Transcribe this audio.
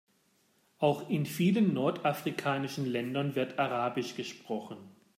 Auch in vielen nordafrikanischen Ländern wird arabisch gesprochen.